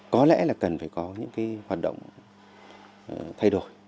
có lẽ là cần phải có những cái hoạt động thay đổi